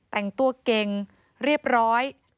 แต่งตัวเก่งเรียบร้อย